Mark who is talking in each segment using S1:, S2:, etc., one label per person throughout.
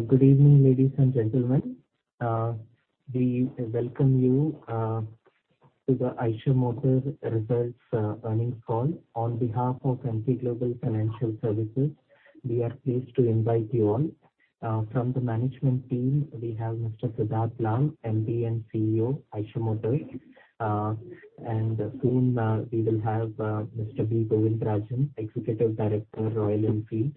S1: Good evening, ladies and gentlemen. We welcome you to the Eicher Motors results earnings call on behalf of Emkay Global Financial Services. We are pleased to invite you all. From the management team, we have Mr. Siddhartha Lal, MD and CEO, Eicher Motors. And soon, we will have Mr. B. Govindarajan, Executive Director, Royal Enfield,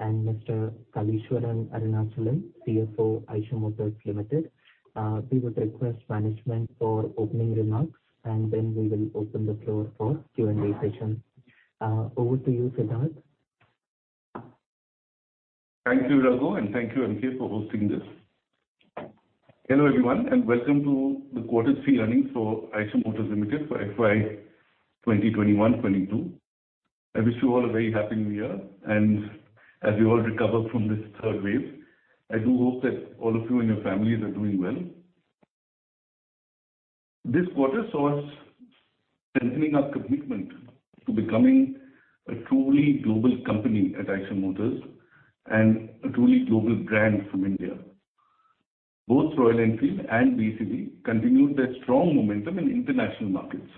S1: and Mr. Kaleeswaran Arunachalam, CFO, Eicher Motors Limited. We would request management for opening remarks, and then we will open the floor for Q&A session. Over to you, Siddhartha.
S2: Thank you, Raghu, and thank you, Emkay for hosting this. Hello, everyone, and welcome to the quarter three earnings for Eicher Motors Limited for FY 2021-22. I wish you all a very happy new year. As we all recover from this third wave, I do hope that all of you and your families are doing well. This quarter saw us strengthening our commitment to becoming a truly global company at Eicher Motors and a truly global brand from India. Both Royal Enfield and VECV continued their strong momentum in international markets.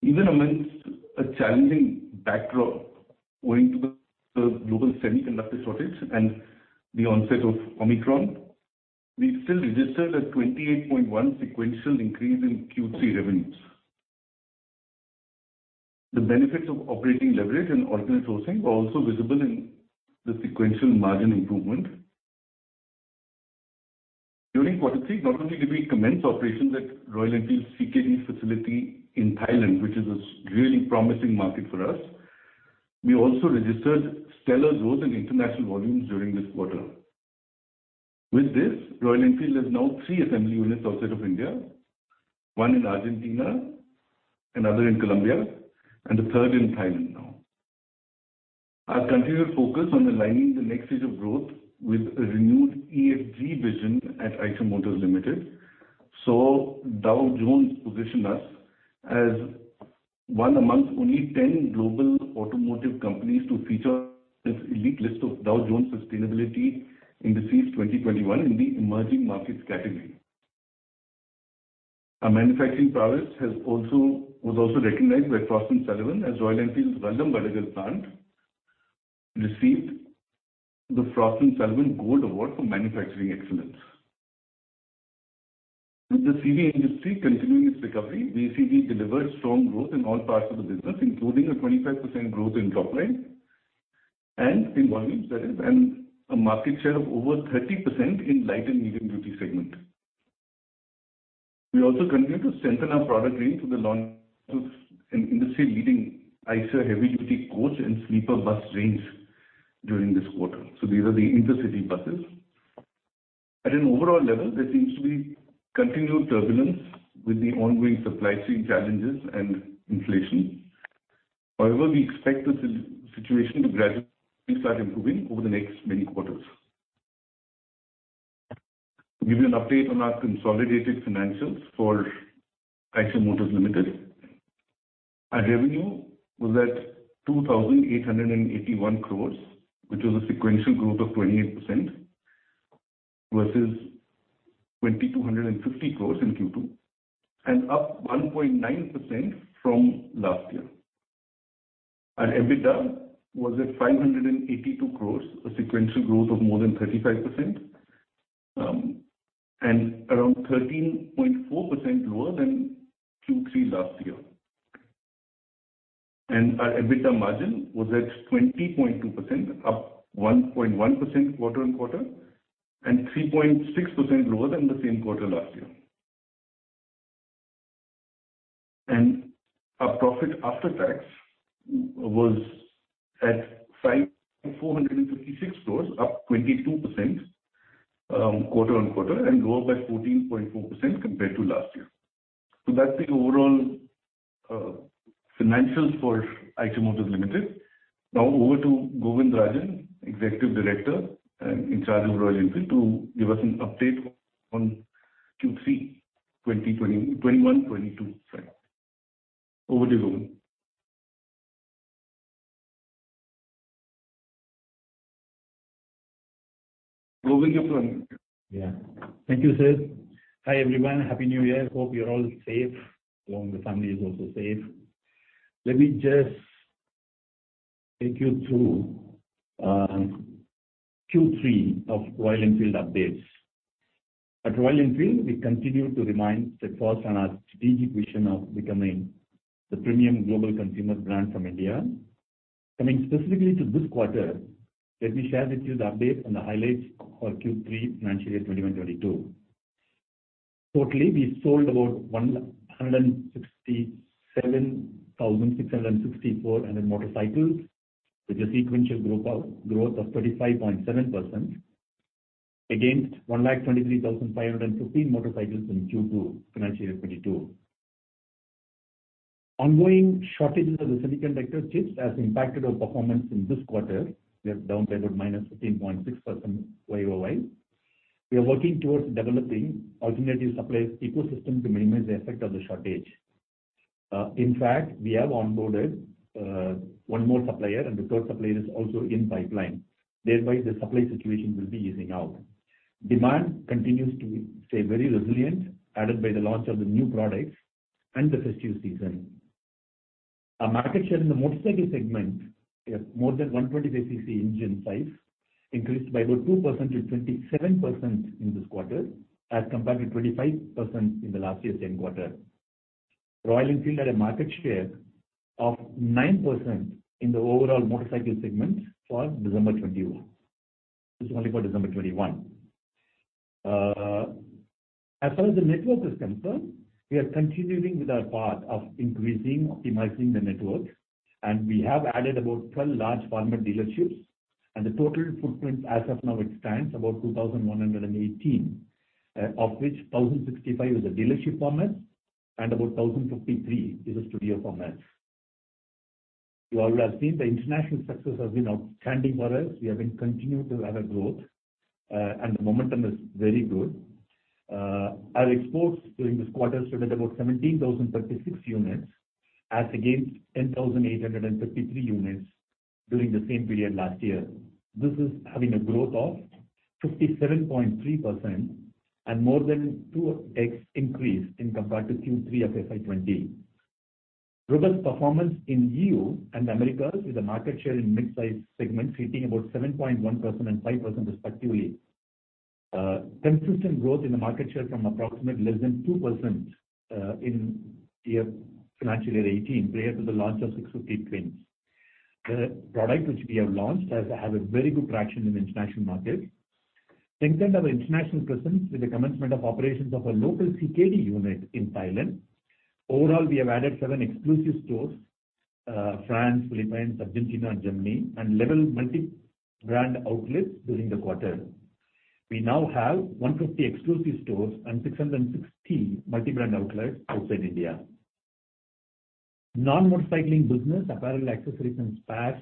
S2: Even amidst a challenging backdrop owing to the global semiconductor shortage and the onset of Omicron, we still registered a 28.1 sequential increase in Q3 revenues. The benefits of operating leverage and alternate sourcing were also visible in the sequential margin improvement. During quarter three, not only did we commence operations at Royal Enfield's CKD facility in Thailand, which is a really promising market for us, we also registered stellar growth in international volumes during this quarter. With this, Royal Enfield has now three assembly units outside of India, one in Argentina, another in Colombia, and a third in Thailand now. Our continued focus on aligning the next stage of growth with a renewed ESG vision at Eicher Motors Limited saw Dow Jones position us as one among only 10 global automotive companies to feature on its elite list of Dow Jones Sustainability Indices 2021 in the emerging markets category. Our manufacturing prowess was also recognized by Frost & Sullivan as Royal Enfield's Vadodara plant received the Frost & Sullivan Gold Award for Manufacturing Excellence. With the CV industry continuing its recovery, VECV delivered strong growth in all parts of the business, including a 25% growth in top line and in volumes, that is, and a market share of over 30% in light and medium duty segment. We also continued to strengthen our product range with the launch of an industry-leading Eicher heavy duty coach and sleeper bus range during this quarter. These are the intercity buses. At an overall level, there seems to be continued turbulence with the ongoing supply chain challenges and inflation. However, we expect the situation to gradually start improving over the next many quarters. To give you an update on our consolidated financials for Eicher Motors Limited, our revenue was at 2,881 crores, which was a sequential growth of 28% versus 2,250 crores in Q2, and up 1.9% from last year. Our EBITDA was at 582 crores, a sequential growth of more than 35%, and around 13.4% lower than Q3 last year. Our EBITDA margin was at 20.2%, up 1.1% quarter-on-quarter, and 3.6% lower than the same quarter last year. Our profit after tax was at 456 crores, up 22% quarter-on-quarter and lower by 14.4% compared to last year. That's the overall financials for Eicher Motors Limited. Now over to Govindarajan, Executive Director and in charge of Royal Enfield, to give us an update on Q3 2021-2022. Sorry. Over to you. Govind, you're frozen.
S3: Yeah. Thank you, Sid. Hi, everyone. Happy New Year. Hope you're all safe. Along with families also safe. Let me just take you through Q3 Royal Enfield updates. At Royal Enfield, we continue to remain on course on our strategic vision of becoming the premium global consumer brand from India. Coming specifically to this quarter, let me share with you the update on the highlights for Q3 FY 2022. Totally, we sold about 167,664 motorcycles, with a sequential growth of 35.7% against 123,515 motorcycles in Q2 FY 2022. Ongoing shortages of the semiconductor chips has impacted our performance in this quarter. We are down by about -15.6% YOY. We are working towards developing alternative supply ecosystem to minimize the effect of the shortage. In fact, we have onboarded one more supplier and the third supplier is also in pipeline. Thereby, the supply situation will be easing out. Demand continues to stay very resilient, added by the launch of the new products and the festive season. Our market share in the motorcycle segment with more than 120 cc engine size increased by about 2% to 27% in this quarter, as compared to 25% in the last year's same quarter. Royal Enfield had a market share of 9% in the overall motorcycle segment for December 2021. This is only for December 2021. As far as the network is concerned, we are continuing with our path of increasing, optimizing the network, and we have added about 12 large format dealerships. The total footprint as of now it stands about 2,118, of which 1,065 is a dealership format and about 1,053 is a studio format. You all have seen the international success has been outstanding for us. We have been continued to have a growth, and the momentum is very good. Our exports during this quarter stood at about 17,036 units as against 10,853 units during the same period last year. This is having a growth of 57.3% and more than 2x increase in compared to Q3 of FY 2020. Robust performance in EU and Americas with a market share in mid-size segment sitting about 7.1% and 5% respectively. Consistent growth in the market share from approximately less than 2% in financial year 2018 prior to the launch of 650 Twins. The product which we have launched has a very good traction in the international market. To strengthen our international presence with the commencement of operations of a local CKD unit in Thailand. Overall, we have added seven exclusive stores in France, Philippines, Argentina and Germany, and 11 multi-brand outlets during the quarter. We now have 150 exclusive stores and 660 multi-brand outlets outside India. Non-motorcycling business, apparel, accessories and spares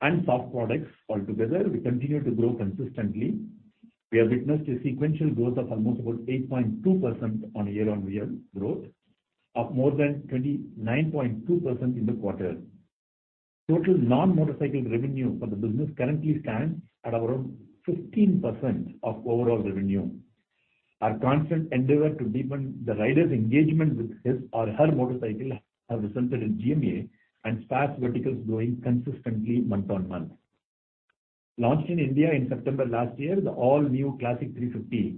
S3: and soft products altogether, we continue to grow consistently. We have witnessed a sequential growth of almost about 8.2% and year-on-year growth of more than 29.2% in the quarter. Total non-motorcycle revenue for the business currently stands at around 15% of overall revenue. Our constant endeavor to deepen the rider's engagement with his or her motorcycle has resulted in GMA and spares verticals growing consistently month-on-month. Launched in India in September last year, the all-new Classic 350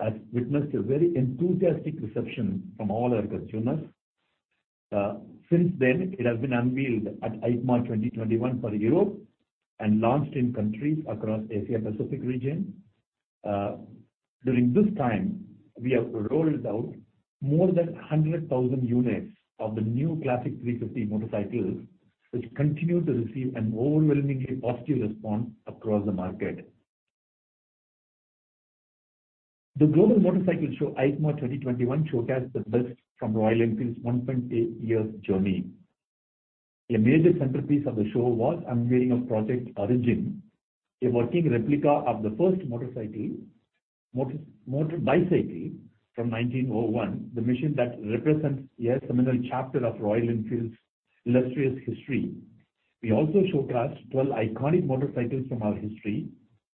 S3: has witnessed a very enthusiastic reception from all our consumers. Since then, it has been unveiled at EICMA 2021 for Europe and launched in countries across Asia-Pacific region. During this time, we have rolled out more than 100,000 units of the new Classic 350 motorcycles, which continue to receive an overwhelmingly positive response across the market. The Global Motorcycle Show, EICMA 2021, showcased the best from Royal Enfield's 1.8-year journey. A major centerpiece of the show was unveiling of Project Origin, a working replica of the first motor-bicycle from 1901. The mission that represents a seminal chapter of Royal Enfield's illustrious history. We also showcased 12 iconic motorcycles from our history,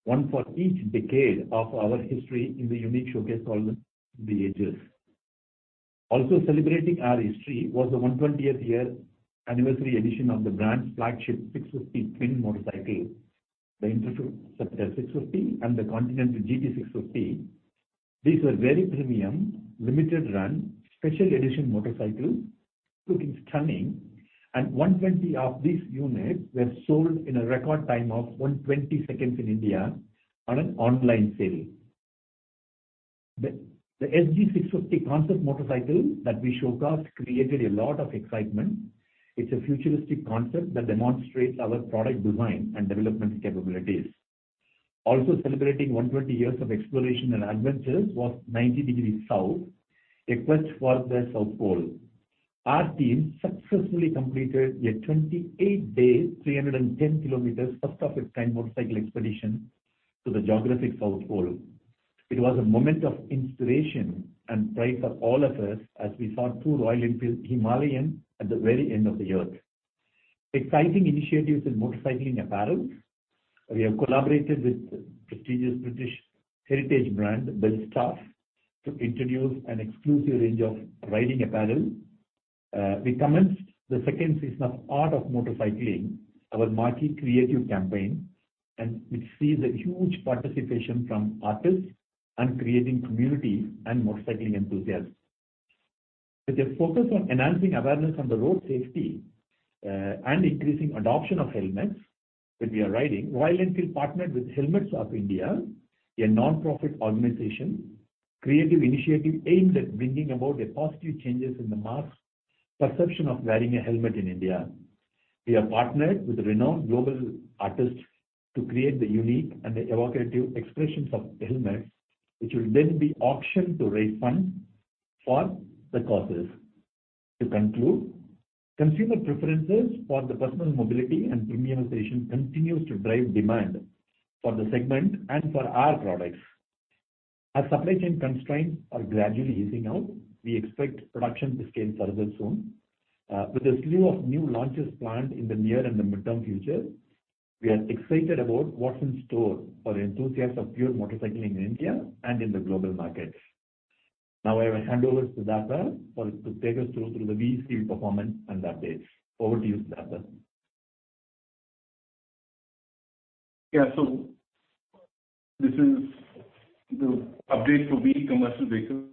S3: one for each decade of our history in the unique showcase called The Ages. Also celebrating our history was the 120th year anniversary edition of the brand's flagship 650 Twin motorcycle, the Interceptor 650 and the Continental GT 650. These were very premium, limited run, special edition motorcycles. Looking stunning. 120 of these units were sold in a record time of 120 seconds in India on an online sale. The SG650 Concept motorcycle that we showcased created a lot of excitement. It's a futuristic concept that demonstrates our product design and development capabilities. Also celebrating 120 years of exploration and adventures was 90° South, a quest for the South Pole. Our team successfully completed a 28-day, 310 km first-of-its-kind motorcycle expedition to the geographic South Pole. It was a moment of inspiration and pride for all of us as we saw two Royal Enfield Himalayan at the very end of the earth. Exciting initiatives in motorcycling apparel. We have collaborated with prestigious British heritage brand Belstaff to introduce an exclusive range of riding apparel. We commenced the second season of Art of Motorcycling, our marquee creative campaign, which sees huge participation from artists and creative communities and motorcycling enthusiasts. With a focus on enhancing awareness on road safety and increasing adoption of helmets when we are riding, Royal Enfield partnered with Helmets for India, a nonprofit organization. Creative initiative aimed at bringing about a positive changes in the mass perception of wearing a helmet in India. We have partnered with renowned global artists to create the unique and evocative expressions of helmets, which will then be auctioned to raise funds for the causes. To conclude, consumer preferences for the personal mobility and premiumization continues to drive demand for the segment and for our products. As supply chain constraints are gradually easing out, we expect production to scale further soon. With a slew of new launches planned in the near and the midterm future, we are excited about what's in store for enthusiasts of pure motorcycling in India and in the global markets. Now I will hand over to Siddhartha to take us through the VECV performance and updates. Over to you, Siddhartha.
S2: Yeah. This is the update for VE Commercial Vehicles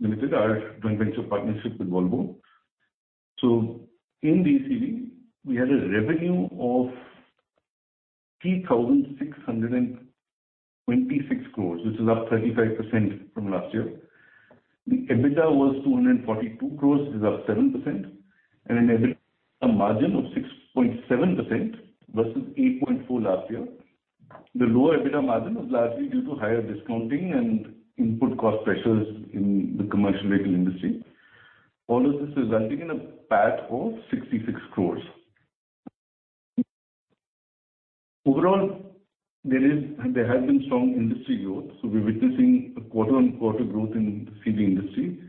S2: Limited, our joint venture partnership with Volvo. In VCV, we had a revenue of 3,626 crores, which is up 35% from last year. The EBITDA was 242 crores, which is up 7% and an EBITDA margin of 6.7% versus 8.4% last year. The lower EBITDA margin was largely due to higher discounting and input cost pressures in the commercial vehicle industry. All of this resulting in a PAT of 66 crores. Overall, there has been strong industry growth, so we're witnessing a quarter-on-quarter growth in the CV industry.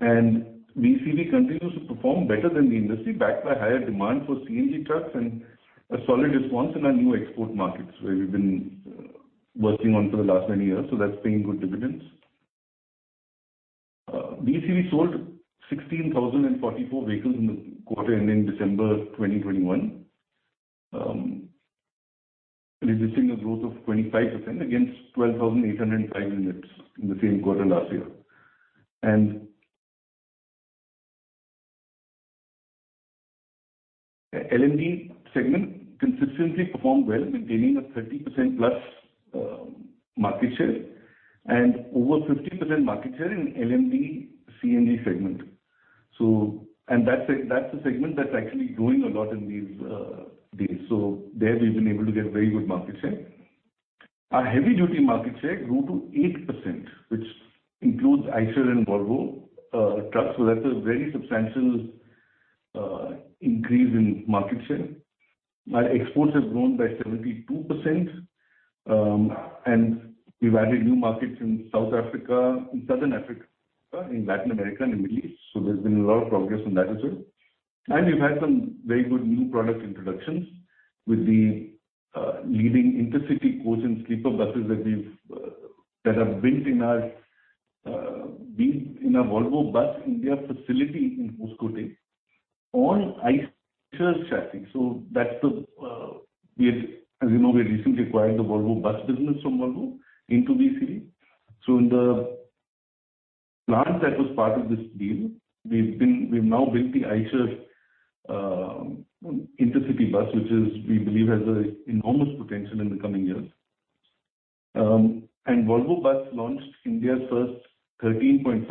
S2: VECV continues to perform better than the industry, backed by higher demand for CNG trucks and a solid response in our new export markets where we've been working on for the last many years. That's paying good dividends. VECV sold 16,004 vehicles in the quarter ending December 2021, registering a growth of 25% against 12,805 units in the same quarter last year. LMD segment consistently performed well, gaining a 30%+ market share and over 50% market share in LMD CNG segment. That's a segment that's actually growing a lot in these days. There we've been able to get very good market share. Our heavy-duty market share grew to 8%, which includes Eicher and Volvo trucks. That's a very substantial increase in market share. Our exports have grown by 72%. We've added new markets in South Africa, in Southern Africa, in Latin America and the Middle East. There's been a lot of progress on that as well. We've had some very good new product introductions with the leading intercity coach and sleeper buses that are built in our Volvo Buses India facility in Hoskote on Eicher’s chassis. As you know, we recently acquired the Volvo bus business from Volvo into VECV. In the plan that was part of this deal, we've now built the Eicher intercity bus, which we believe has an enormous potential in the coming years. Volvo Buses launched India's first 13.5 m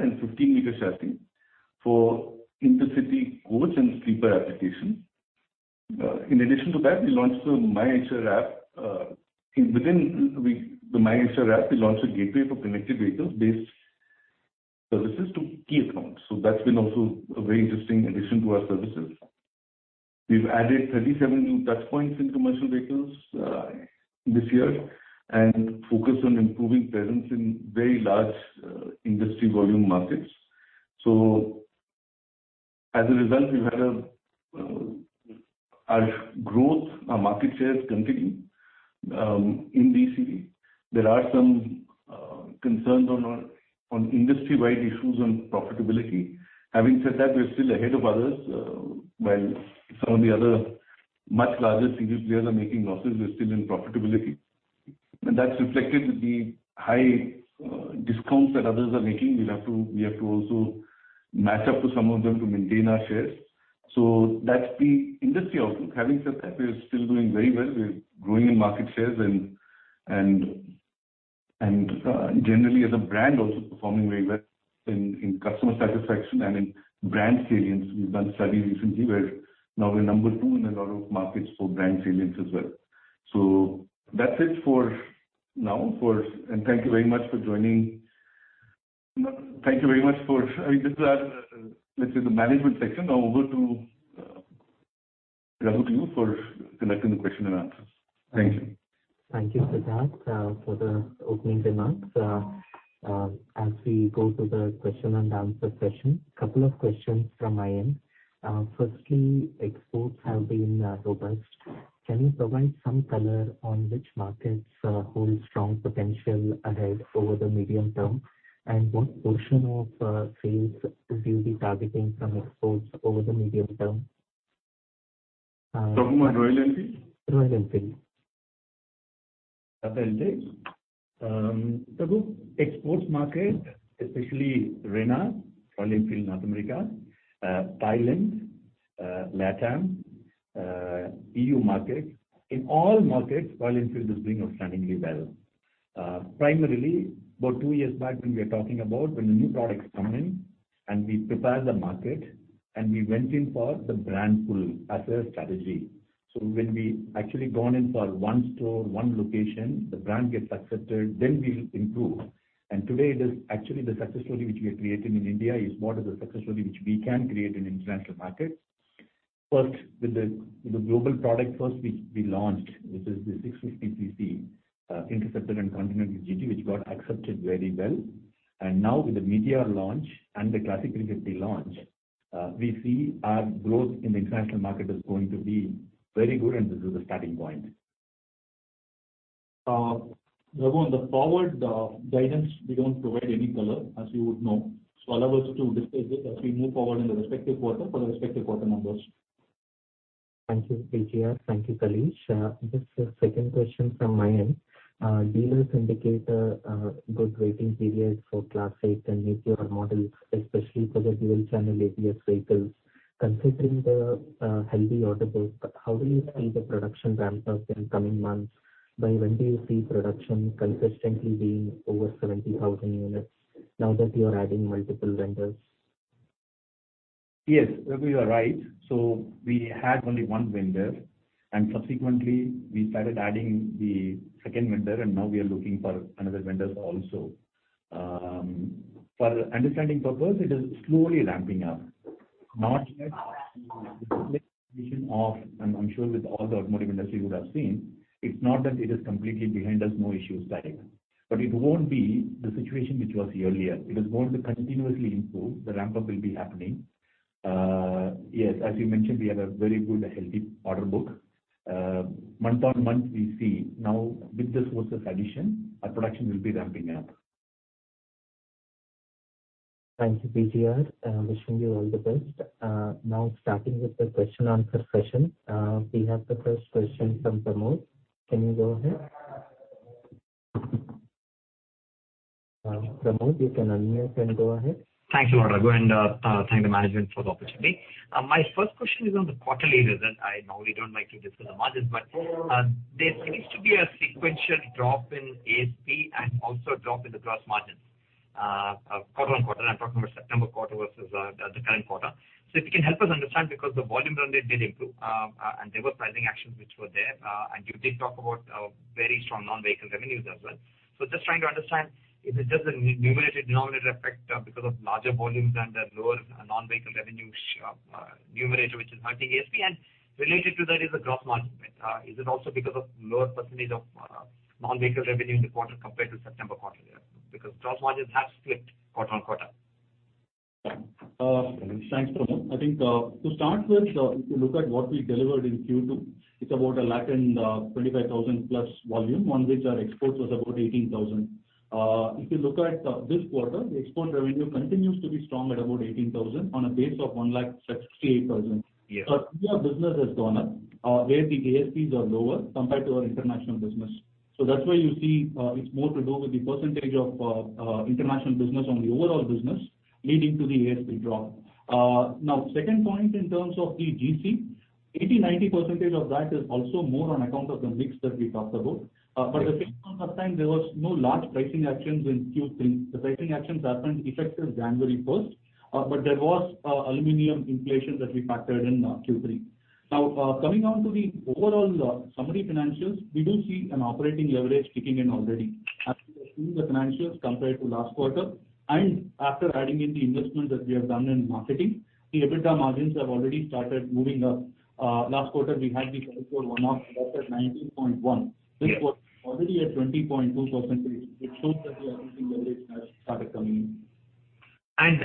S2: and 15 m chassis for intercity coach and sleeper application. In addition to that, we launched the My Eicher app. Within the My Eicher app, we launched a gateway for connected vehicles-based services to key accounts. That's been also a very interesting addition to our services. We've added 37 new touchpoints in commercial vehicles this year and focused on improving presence in very large industry volume markets. As a result, we've had a growth. Our market share is continuing in VECV. There are some concerns on industry-wide issues on profitability. Having said that, we're still ahead of others. While some of the other much larger CV players are making losses, we're still in profitability, and that's reflected with the high discounts that others are making. We have to also match up to some of them to maintain our shares. That's the industry outlook. Having said that, we're still doing very well. We're growing in market shares and generally as a brand also performing very well in customer satisfaction and in brand salience. We've done studies recently where now we're number two in a lot of markets for brand salience as well. That's it for now. Thank you very much for joining. I mean, this is the management section. Now over to Raghu to you for conducting the question and answers. Thank you.
S1: Thank you, Siddhartha, for the opening remarks. As we go to the question and answer session, couple of questions from my end. Firstly, exports have been robust. Can you provide some color on which markets hold strong potential ahead over the medium term? And what portion of sales will you be targeting from exports over the medium term?
S2: Talking about Royal Enfield?
S1: Royal Enfield.
S3: Exports market, especially RENA, Royal Enfield North America, Thailand, LatAm, EU markets. In all markets, Royal Enfield is doing outstandingly well. Primarily about two years back when we are talking about when the new products come in and we prepare the market and we went in for the brand pull as a strategy. When we actually gone in for one store, one location, the brand gets accepted, then we improve. Today it is actually the success story which we have created in India is more of a success story which we can create in international markets. First, with the global product first we launched, which is the 650 cc Interceptor and Continental GT, which got accepted very well. Now with the Meteor launch and the Classic 350 launch, we see our growth in the international market is going to be very good, and this is the starting point.
S4: Raghu, on the forward guidance, we don't provide any color, as you would know. I'll leave it to us to disclose it as we move forward in the respective quarter for the respective quarter numbers.
S1: Thank you, BGR. Thank you, Kalees. Just a second question from my end. Dealers indicate a good waiting period for Classic 350 and Meteor models, especially for the dual channel ABS vehicles. Considering the healthy order book, how do you see the production ramp up in coming months? By when do you see production consistently being over 70,000 units now that you are adding multiple vendors?
S3: Yes, Raghu, you are right. We had only one vendor, and subsequently we started adding the second vendor, and now we are looking for another vendors also. For understanding purpose, it is slowly ramping up. Not yet the situation. I'm sure with all the automotive industry you would have seen, it's not that it is completely behind us, no issues type. It won't be the situation which was earlier. It is going to continuously improve. The ramp up will be happening. Yes, as you mentioned, we have a very good healthy order book. Month-on-month we see now with the sources addition, our production will be ramping up.
S1: Thank you, BGR. Wishing you all the best. Now starting with the question answer session. We have the first question from Pramod. Can you go ahead? Pramod, you can unmute and go ahead.
S5: Thank you, Raghu, and thank the management for the opportunity. My first question is on the quarterly results. I normally don't like to discuss the margins, but there seems to be a sequential drop in ASP and also a drop in the gross margins, quarter-on-quarter. I'm talking about September quarter versus the current quarter. If you can help us understand, because the volume run rate did improve, and there were pricing actions which were there. You did talk about very strong non-vehicle revenues as well. Just trying to understand if it's just a numerator, denominator effect, because of larger volumes and the lower non-vehicle revenues, numerator which is hurting ASP. Related to that is the gross margin bit. Is it also because of lower percentage of non-vehicle revenue in the quarter compared to September quarter year? Because gross margins have slipped quarter-on-quarter.
S4: Thanks, Pramod. I think to start with, if you look at what we delivered in Q2, it's about 125,000 volume, on which our exports was about 18,000. If you look at this quarter, the export revenue continues to be strong at about 18,000 on a base of 168,000.
S5: Yes.
S4: India business has gone up, where the ASPs are lower compared to our international business. That's why you see, it's more to do with the percentage of international business on the overall business leading to the ASP drop. Now second point in terms of the gross margin, 80%, 90% of that is also more on account of the mix that we talked about.
S5: Right.
S4: For the same point of time, there was no large pricing actions in Q3. The pricing actions happened effective January 1st, but there was aluminum inflation that we factored in Q3. Now, coming on to the overall summary financials, we do see an operating leverage kicking in already. As you review the financials compared to last quarter and after adding in the investments that we have done in marketing, the EBITDA margins have already started moving up. Last quarter we had the 24.1 one-off versus 19.1%.
S5: Yes.
S4: This quarter already at 20.2%. It shows that the operating leverage has started coming in.
S5: On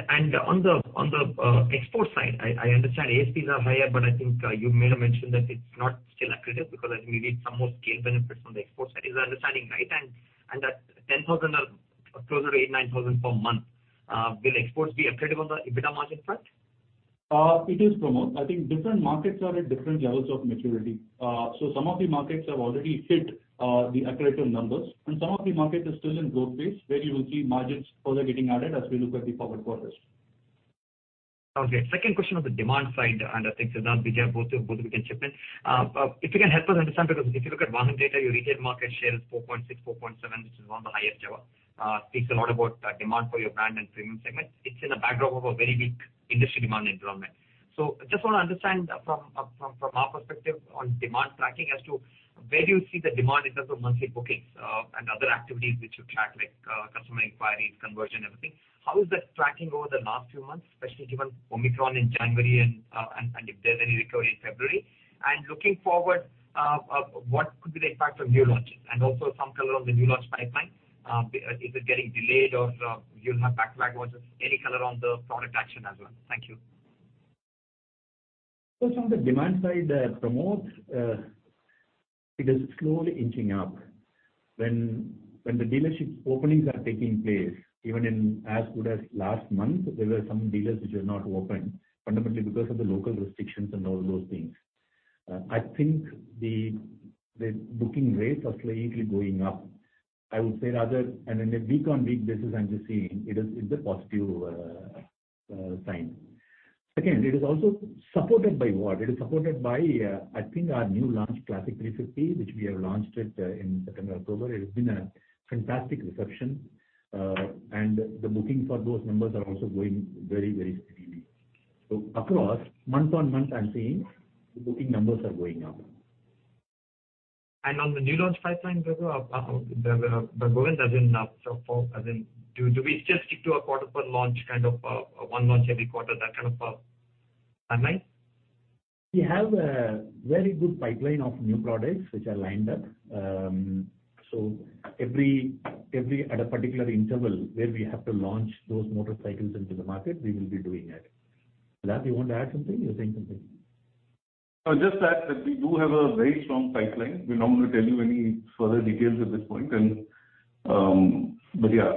S5: the export side, I understand ASPs are higher, but I think you made a mention that it's not still accretive because I think we need some more scale benefits on the export side. Is that understanding right? At 10,000 or closer to 8,000, 9,000 per month, will exports be accretive on the EBITDA margin front?
S4: It is, Pramod. I think different markets are at different levels of maturity. Some of the markets have already hit the accretive numbers, and some of the markets are still in growth phase where you will see margins further getting added as we look at the forward quarters.
S5: Okay. Second question on the demand side, and I think Siddhartha, BGR, both of you can chip in. If you can help us understand, because if you look at volume data, your retail market share is 4.6%, 4.7%, which is one of the highest ever. Speaks a lot about demand for your brand and premium segment. It's in a backdrop of a very weak industry demand environment. Just wanna understand from our perspective on demand tracking as to where do you see the demand in terms of monthly bookings, and other activities which you track, like customer inquiries, conversion, everything. How is that tracking over the last few months, especially given Omicron in January and if there's any recovery in February? Looking forward, what could be the impact of new launches? Also some color on the new launch pipeline. Is it getting delayed or you'll have backlog versus any color on the product action as well? Thank you.
S3: From the demand side, Pramod, it is slowly inching up. When the dealership openings are taking place, even in as good as last month, there were some dealers which were not open, fundamentally because of the local restrictions and all those things. I think the booking rates are slightly going up. I would say rather, and in a week-on-week basis, I'm just seeing it's a positive sign. Second, it is also supported by, I think our new launch, Classic 350, which we have launched it in September, October. It has been a fantastic reception. And the booking for those numbers are also growing very, very steadily. Across month-on-month, I'm seeing the booking numbers are going up.
S5: On the new launch pipeline, Govind, as in, do we just stick to a quarter per launch kind of, one launch every quarter, that kind of a timeline?
S3: We have a very good pipeline of new products which are lined up. Every at a particular interval where we have to launch those motorcycles into the market, we will be doing it. Lal, you want to add something or say something?
S2: No, just that we do have a very strong pipeline. We're not gonna tell you any further details at this point. Yeah,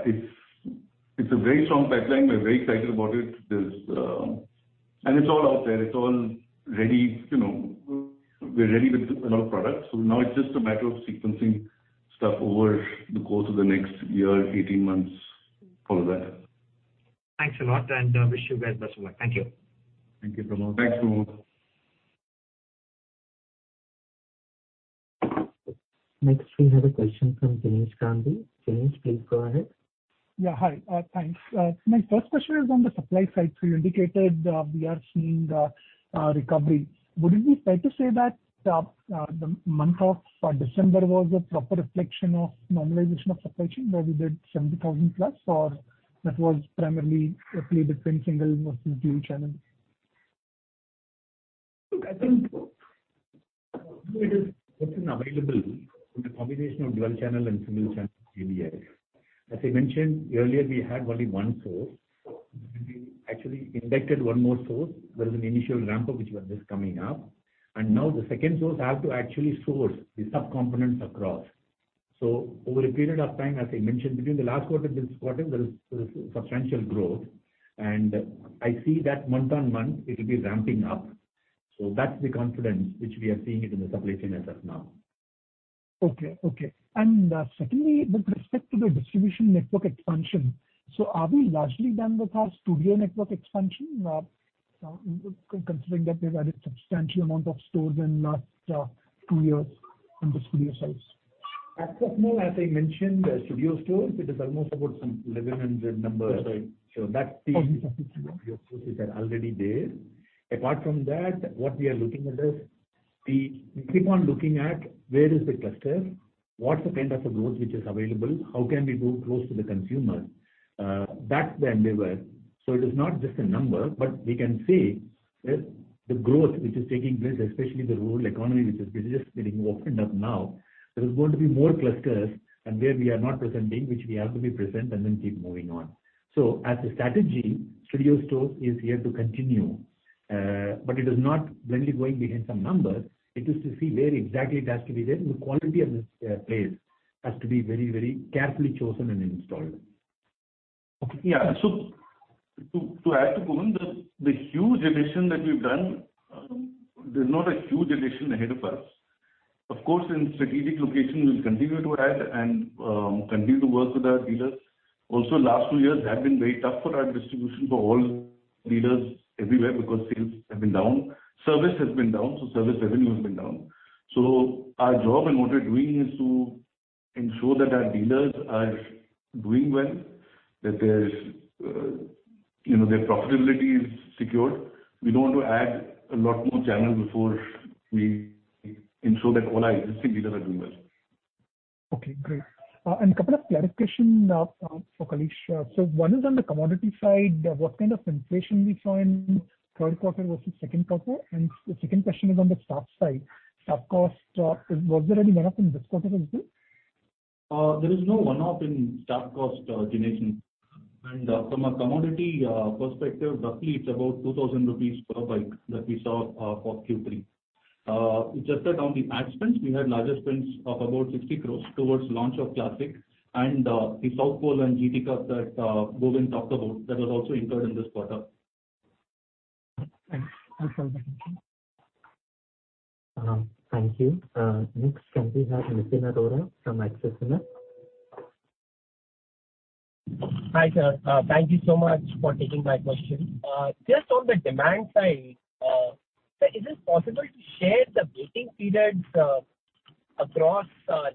S2: it's a very strong pipeline. We're very excited about it. It's all out there. It's all ready. You know, we're ready with a lot of products. Now it's just a matter of sequencing stuff over the course of the next year, 18 months from there.
S5: Thanks a lot, and I wish you guys best of luck. Thank you.
S3: Thank you, Pramod.
S2: Thanks, Pramod.
S1: Next, we have a question from Jinesh Gandhi. Jinesh, please go ahead.
S6: Yeah. Hi. Thanks. My first question is on the supply side. You indicated we are seeing a recovery. Would it be fair to say that the month of December was a proper reflection of normalization of supply chain, where we did 70,000+, or that was primarily a play between single versus dual channels?
S3: Look, I think it is often available in the combination of dual channel and single channel ABS. As I mentioned earlier, we had only one source. We actually inducted one more source. There is an initial ramp-up, which was just coming up. Now the second source has to actually source the subcomponents across. Over a period of time, as I mentioned, between the last quarter, this quarter, there is substantial growth. I see that month-on-month it will be ramping up. That's the confidence which we are seeing it in the supply chain as of now.
S6: Okay. Secondly, with respect to the distribution network expansion, are we largely done with our studio network expansion? Considering that we've added substantial amount of stores in last two years in the studio sites.
S3: As of now, as I mentioned, studio stores, it is almost about some 1,100 numbers.
S2: That's right.
S3: Studio stores are already there. Apart from that, what we are looking at is we keep on looking at where is the cluster, what's the kind of growth which is available, how can we go close to the consumer. That's the endeavor. It is not just a number, but we can say that the growth which is taking place, especially the rural economy, which is just getting opened up now, there is going to be more clusters and where we are not presenting, which we have to be present and then keep moving on. As a strategy, studio stores is here to continue. It is not blindly going behind some numbers. It is to see where exactly it has to be there, and the quality of the space has to be very, very carefully chosen and installed.
S6: Okay.
S2: Yeah. To add to Govind, the huge addition that we've done, there's not a huge addition ahead of us. Of course, in strategic locations we'll continue to add and continue to work with our dealers. Also last two years have been very tough for our distribution for all dealers everywhere because sales have been down. Service has been down, so service revenue has been down. Our job and what we're doing is to ensure that our dealers are doing well, that there's, you know, their profitability is secured. We don't want to add a lot more channels before we ensure that all our existing dealers are doing well.
S6: Okay, great. A couple of clarifications for Kalees. One is on the commodity side. What kind of inflation we saw in third quarter versus second quarter? The second question is on the staff side, staff cost. Was there any one-off in this quarter also?
S4: There is no one-off in staff cost, Jinesh. From a commodity perspective, roughly it's about 2,000 rupees per bike that we saw for Q3. Just that on the ad spends, we had larger spends of about 60 crore towards launch of Classic and the South Pole and GT Cup that Govind talked about, that was also incurred in this quarter.
S6: Thanks. I'll fall back in queue.
S1: Thank you. Next can we have Nitin Arora from Axis AMC?
S7: Hi, sir. Thank you so much for taking my question. Just on the demand side, sir, is it possible to share the waiting periods across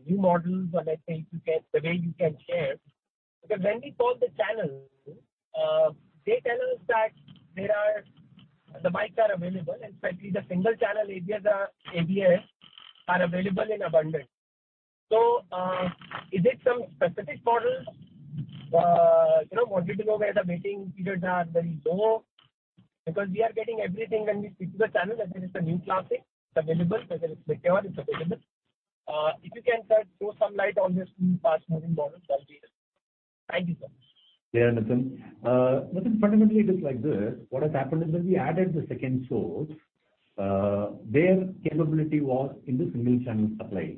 S7: new models? Or let's say if you can, the way you can share. Because when we call the channels, they tell us that the bikes are available and especially the single channel ABS are available in abundance. So, is it some specific models? You know, wanted to know where the waiting periods are very low. Because we are getting everything when we speak to the channels, that there is a new Classic, it's available. Whether it's Meteor, it's available. If you can, sir, throw some light on this in fast-moving models, that will be helpful. Thank you, sir.
S3: Yeah, Nitin. Nitin, fundamentally it is like this. What has happened is when we added the second source, their capability was in the single channel supply.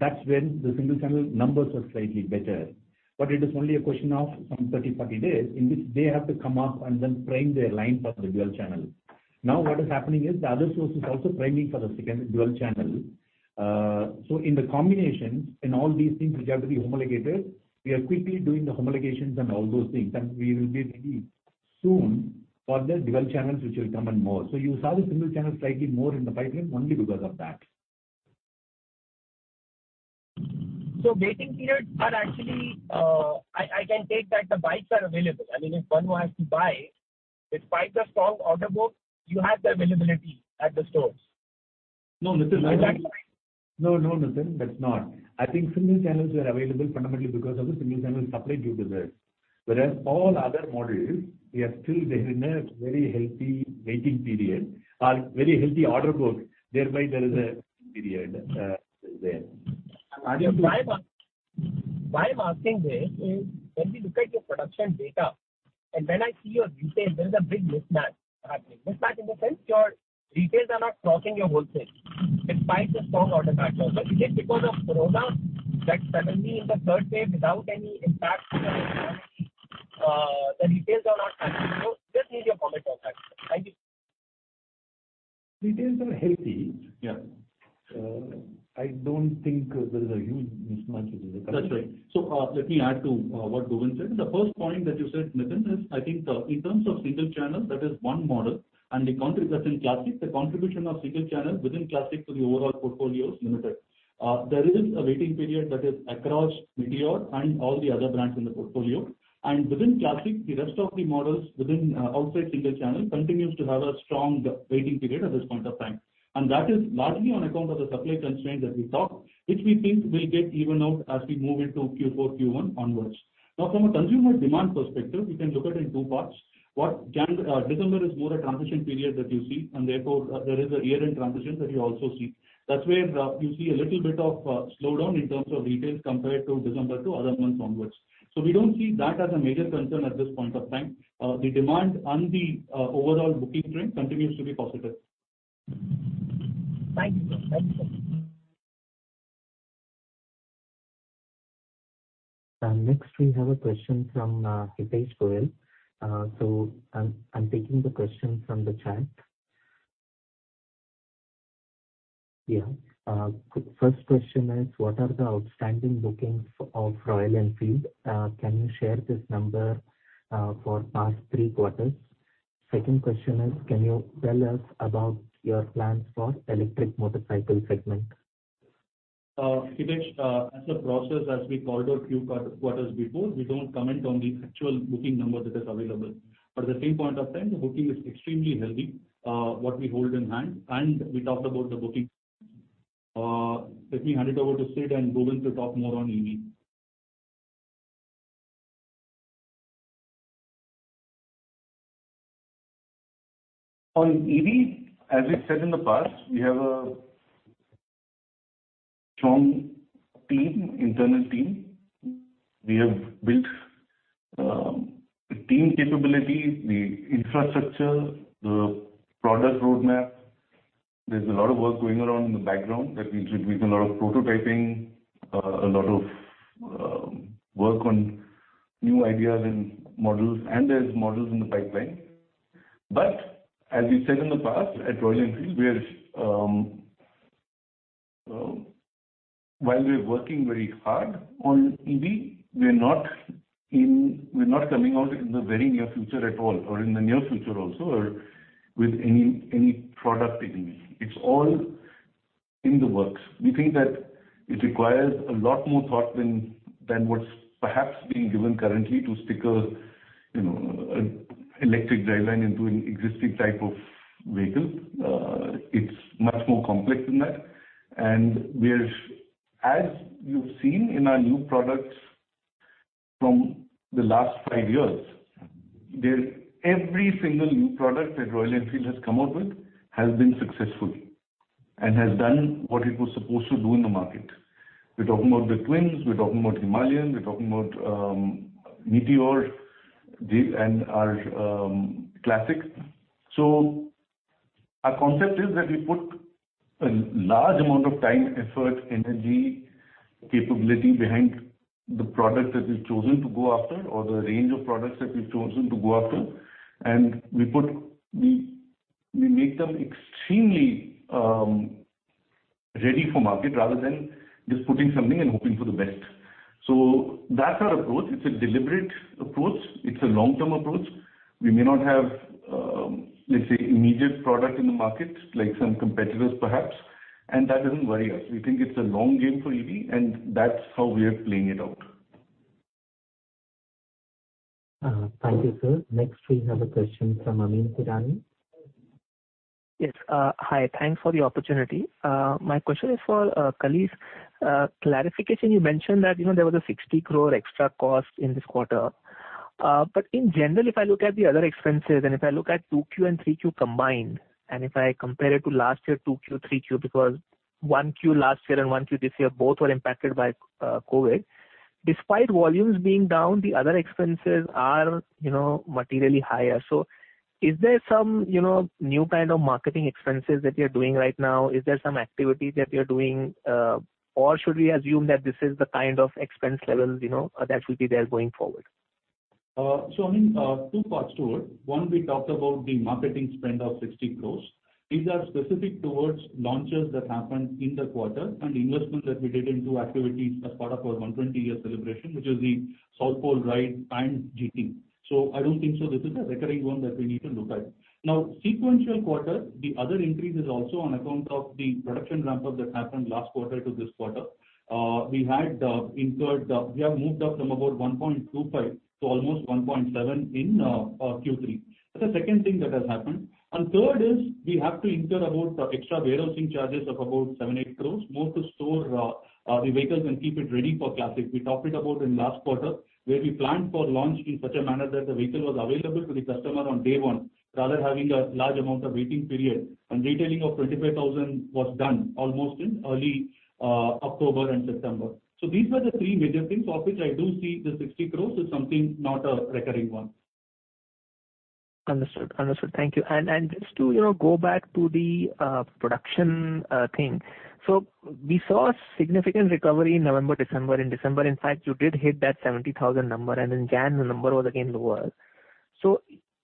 S3: That's when the single channel numbers were slightly better. It is only a question of some 30, 40 days in which they have to come up and then prime their line for the dual channel. Now, what is happening is the other source is also priming for the second dual channel. In the combinations, in all these things which have to be homologated, we are quickly doing the homologations and all those things. We will be ready soon for the dual channels which will come in more. You saw the single channel slightly more in the pipeline only because of that.
S7: Waiting periods are actually, I can take that the bikes are available. I mean, if one wants to buy, despite the strong order book, you have the availability at the stores.
S3: No, Nitin, no.
S7: Is that right?
S3: No, no, Nitin, that's not. I think single channels were available fundamentally because of the single channel supply due to that. Whereas all other models, we are still there in a very healthy waiting period or very healthy order book. Thereby there is a period, there.
S7: Why I'm asking this is when we look at your production data and when I see your dispatches, there is a big mismatch happening. Mismatch in the sense your dispatches are not crossing your wholesale despite the strong order backlog. Is it because of corona that suddenly in the third wave without any impact to the economy, the retail is not matching? Just need your comment on that. Thank you.
S3: Retails are healthy.
S2: Yeah.
S3: I don't think there is a huge mismatch within the company.
S4: That's right. Let me add to what Govind said. The first point that you said, Nitin, is, I think, in terms of single channel, that is one model, and the contribution of Classic, the contribution of single channel within Classic to the overall portfolio is limited. There is a waiting period that is across Meteor and all the other brands in the portfolio. Within Classic, the rest of the models within outside single channel continues to have a strong waiting period at this point of time. That is largely on account of the supply constraint that we talked, which we think will even out as we move into Q4, Q1 onwards. Now, from a consumer demand perspective, we can look at in two parts. December is more a transition period that you see, and therefore, there is a year-end transition that you also see. That's where you see a little bit of slowdown in terms of retails compared to December to other months onwards. We don't see that as a major concern at this point of time. The demand and the overall booking trend continues to be positive.
S7: Thank you. Thank you.
S1: Next we have a question from Hitesh Goel. So I'm taking the question from the chat. Yeah. First question is what are the outstanding bookings of Royal Enfield? Can you share this number for past three quarters? Second question is, can you tell us about your plans for electric motorcycle segment?
S4: Hitesh, as a process, as we called out few quarters before, we don't comment on the actual booking number that is available. At the same point of time, the booking is extremely healthy, what we hold in hand, and we talked about the bookings. Let me hand it over to Sid and Govind to talk more on EV.
S2: On EV, as we've said in the past, we have a strong team, internal team. We have built the team capability, the infrastructure, the product roadmap. There's a lot of work going around in the background that includes a lot of prototyping, a lot of work on new ideas and models, and there's models in the pipeline. But as we said in the past, at Royal Enfield, while we are working very hard on EV, we're not coming out in the very near future at all or in the near future also or with any product in EV. It's all in the works. We think that it requires a lot more thought than what's perhaps being given currently to stick a you know electric driveline into an existing type of vehicle. It's much more complex than that. We're, as you've seen in our new products from the last five years, there's every single new product that Royal Enfield has come out with has been successful and has done what it was supposed to do in the market. We're talking about the Twins, we're talking about Himalayan, we're talking about Meteor 350 and our Classic. Our concept is that we put a large amount of time, effort, energy, capability behind the product that we've chosen to go after or the range of products that we've chosen to go after. We make them extremely ready for market rather than just putting something and hoping for the best. That's our approach. It's a deliberate approach. It's a long-term approach. We may not have, let's say, immediate product in the market like some competitors perhaps. That doesn't worry us. We think it's a long game for EV, and that's how we are playing it out.
S1: Thank you, sir. Next we have a question from Amyn Pirani.
S8: Yes. Hi. Thanks for the opportunity. My question is for Kalees clarification. You mentioned that, you know, there was 60 crore extra cost in this quarter. In general, if I look at the other expenses and if I look at 2Q and 3Q combined, and if I compare it to last year 2Q 3Q, because 1Q last year and 1Q this year, both were impacted by COVID. Despite volumes being down, the other expenses are, you know, materially higher. Is there some, you know, new kind of marketing expenses that you're doing right now? Is there some activity that you're doing? Should we assume that this is the kind of expense level, you know, that will be there going forward?
S4: Amyn, two parts to it. One, we talked about the marketing spend of 60 crore. These are specific towards launches that happened in the quarter and investments that we did into activities as part of our 120-year celebration, which is the South Pole ride and GT. I don't think so this is a recurring one that we need to look at. Now, sequential quarter, the other increase is also on account of the production ramp-up that happened last quarter to this quarter. We have moved up from about 1.25 to almost 1.7 in Q3. That's the second thing that has happened. Third is we have to incur about extra warehousing charges of about 7-8 crores more to store the vehicles and keep it ready for Classic. We talked about it in last quarter, where we planned for the launch in such a manner that the vehicle was available to the customer on day one, rather than having a large amount of waiting period. Retailing of 25,000 was done almost in early October and September. These were the three major things of which I do see the 60 crore is something not a recurring one.
S8: Understood. Thank you. Just to, you know, go back to the production thing. We saw significant recovery in November, December. In December, in fact, you did hit that 70,000 number, and in January the number was again lower.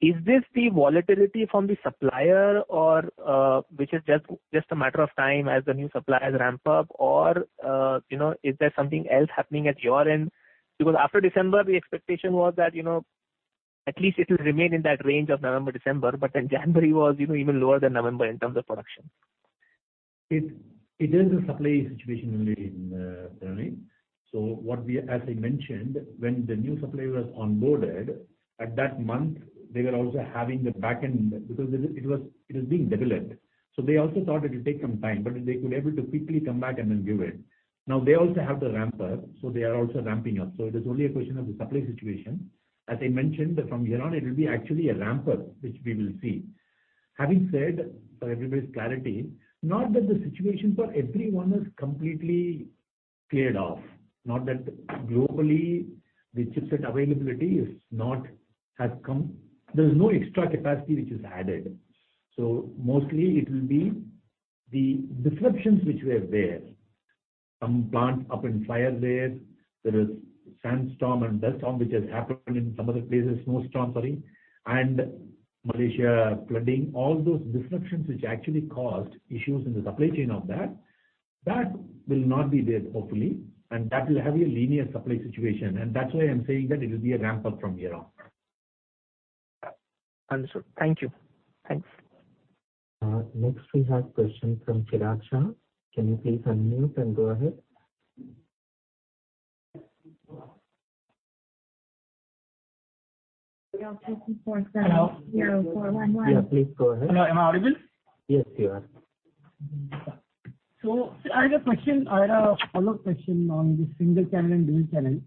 S8: Is this the volatility from the supplier or which is just a matter of time as the new suppliers ramp up or you know, is there something else happening at your end? Because after December, the expectation was that, you know, at least it will remain in that range of November, December, but then January was, you know, even lower than November in terms of production.
S3: It is a supply situation really in January. As I mentioned, when the new supplier was onboarded, at that month, they were also having the back end because it was being developed. They also thought it will take some time, but they could able to quickly come back and then give it. Now they also have to ramp up, so they are also ramping up. It is only a question of the supply situation. As I mentioned, from here on, it will be actually a ramp up, which we will see. Having said, for everybody's clarity, not that the situation for everyone is completely cleared off. Not that globally the chipset availability has come. There's no extra capacity which is added. Mostly it will be the disruptions which were there. Some plant up in fire there. There is snow storm which has happened in some other places. Malaysia flooding. All those disruptions which actually caused issues in the supply chain of that will not be there, hopefully, and that will have a linear supply situation. That's why I'm saying that it will be a ramp up from here on.
S8: Understood. Thank you. Thanks.
S1: Next we have a question from Chirag Shah. Can you please unmute and go ahead?
S9: Hello?
S1: Yeah, please go ahead.
S9: Hello, am I audible?
S1: Yes, you are.
S9: I had a question. I had a follow-up question on the single channel and dual channel.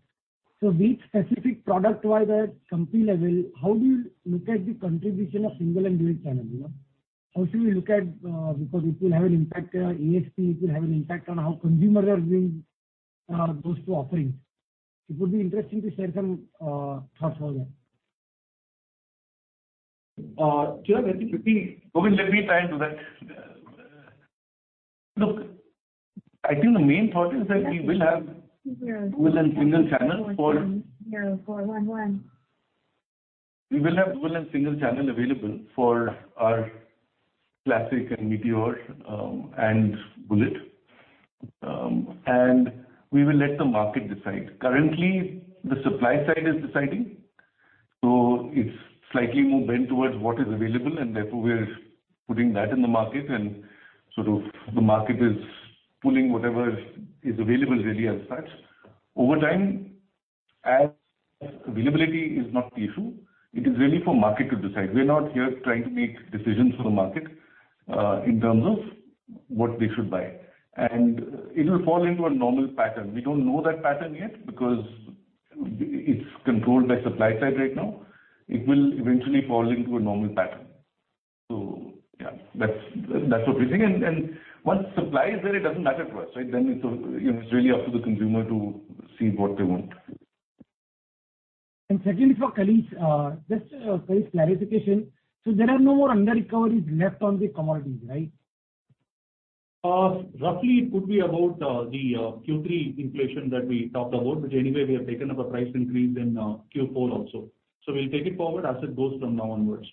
S9: Which specific product-wise at company level, how do you look at the contribution of single and dual channel? How should we look at, because it will have an impact ASP, it will have an impact on how consumers are doing, those two offerings. It would be interesting to share some, thoughts on that.
S2: Chirag, Govind, let me try and do that. Look, I think the main thought is that we will have dual and single channel for- We will have dual and single channel available for our Classic and Meteor, and Bullet. We will let the market decide. Currently, the supply side is deciding, so it's slightly more bent towards what is available, and therefore we're putting that in the market and sort of the market is pulling whatever is available really as such. Over time, as availability is not the issue, it is really for market to decide. We're not here trying to make decisions for the market, in terms of what they should buy. It will fall into a normal pattern. We don't know that pattern yet because it's controlled by supply side right now. It will eventually fall into a normal pattern. Yeah, that's what we think. Once supply is there, it doesn't matter to us, right? It's, you know, it's really up to the consumer to see what they want.
S9: Secondly for Kaleeswaran, just a clarification. There are no more underrecoveries left on the commodities, right?
S4: Roughly it could be about the Q3 inflation that we talked about, which anyway we have taken up a price increase in Q4 also. We'll take it forward as it goes from now onwards.